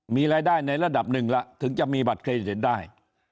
มีรายได้ในระดับหนึ่งแล้วถึงจะมีบัตรเครดิตได้